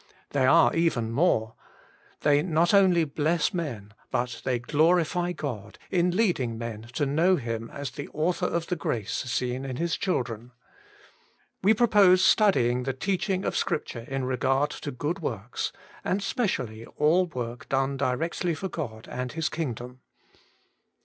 They are even more. They not only bless men, but they glorify God, in leading men to know Him as the Author of the grace seen in His children. We propose studying the teaching of Scripture in regard to good works, and specially all work done directly for God and His kingdom.